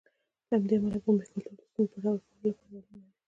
له همدې امله بومي کلتور د ستونزې په ډاګه کولو لپاره دلیل نه دی.